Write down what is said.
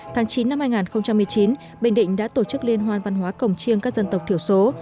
tháng chín năm hai nghìn một mươi chín bình định đã tổ chức liên hoan văn hóa cổng chiêng các dân tộc thiểu số